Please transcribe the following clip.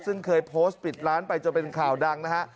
ซึ่งเคยโพสต์ปิดร้านไปจนเป็นข่าวดังนะฮะ